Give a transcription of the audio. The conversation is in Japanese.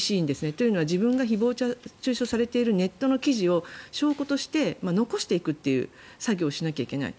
というのは自分が誹謗・中傷されているネットの記事を証拠として残していくという作業をしなきゃいけない。